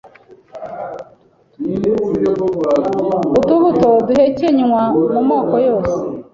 Utubuto duhekenywa mu moko yose